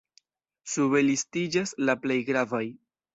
Sube listiĝas la plej gravaj.